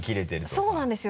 そうなんですよ